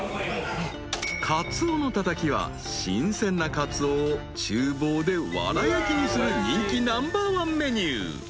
［カツオのたたきは新鮮なカツオを厨房でわら焼きにする人気ナンバーワンメニュー］